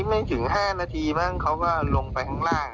ไม่ถึง๕นาทีบ้างเขาก็ลงไปข้างล่าง